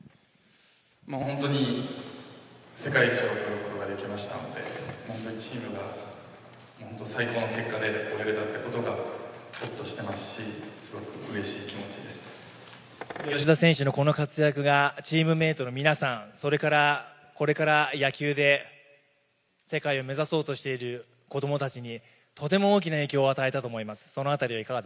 本当に世界一になることができましたんで、本当にチームが最高の結果で終えれたということが、ほっとしてま吉田選手のこの活躍が、チームメートの皆さん、それからこれから野球で世界を目指そうとしている子どもたちに、とても大きな影響を与えたと思います。